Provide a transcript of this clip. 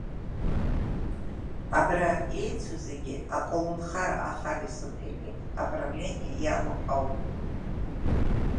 Абра иеицу зегьы, аколнхара Ахали-Соԥели аправлениа иалоу ҳауп.